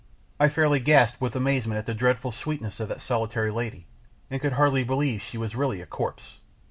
I fairly gasped with amazement at the dreadful sweetness of that solitary lady, and could hardly believe she was really a corpse!